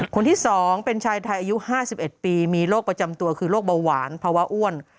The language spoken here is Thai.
คนที่๒เป็นชายไทยอายุ๕๑ปีมีโรคประจำตัวคือโรคเบาหวานภาวะอ้วน